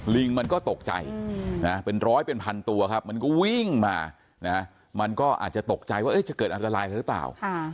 ลิงมันก็ตกใจนะเป็นร้อยเป็นพันตัวครับมันก็วิ่งมามันก็อาจจะตกใจว่าจะเกิดอันตรายหรือเปล่า